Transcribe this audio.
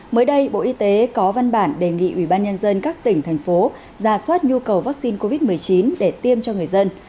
mới đây bộ y tế có văn bản đề nghị ubnd các tỉnh thành phố giả soát nhu cầu vaccine covid một mươi chín để tiêm cho người dân